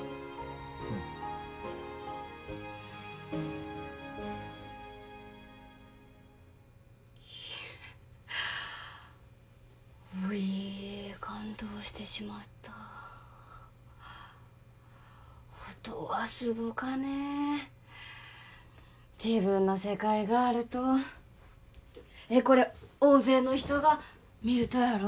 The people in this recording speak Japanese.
うんおい感動してしまった音はすごかねえ自分の世界があるとえっこれ大勢の人が見るとやろ？